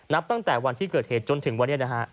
นับตั้งแต่วันที่เกิดเหตุจนถึงวันนี้นะฮะ